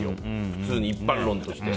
普通に一般論として。